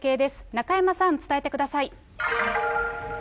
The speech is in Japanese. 中山さん、伝えてください。